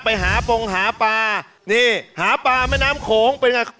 ไปหาปงหาปลานี่หาปลาแม่น้ำโขงเป็นไง